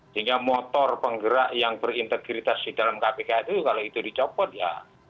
sehingga motor penggerak yang berintegritas di dalam kpk itu kalau itu dicopot ya